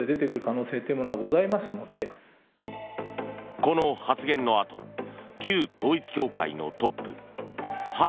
この発言のあと旧統一教会のトップハン